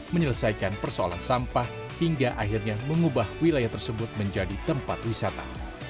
menyelesaikan persoalan sampah hingga akhirnya mengubah wilayah tersebut menjadi tempat wisata